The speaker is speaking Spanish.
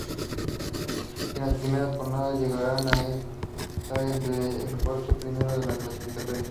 En las primeras jornadas llegaron a estar entre los cuatro primeros de la clasificación.